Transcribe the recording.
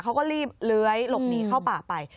เขาก็รีบเลื้อยหลบหนีเข้าป่าไป